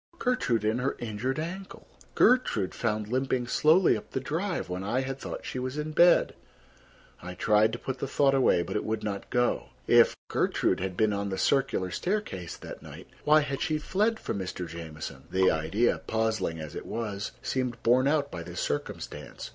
Gertrude and her injured ankle! Gertrude found limping slowly up the drive when I had thought she was in bed! I tried to put the thought away, but it would not go. If Gertrude had been on the circular staircase that night, why had she fled from Mr. Jamieson? The idea, puzzling as it was, seemed borne out by this circumstance.